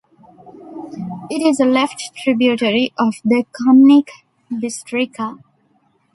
It is a left tributary of the Kamnik Bistrica.